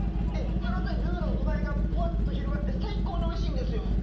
そのあとにルーの旨味がブワッと広がって最高においしいんですよ